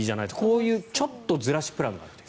こういうちょっとずらしプランがあるという。